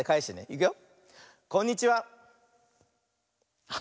いくよ。